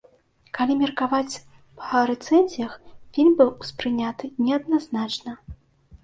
Калі меркаваць па рэцэнзіях, фільм быў успрыняты неадназначна.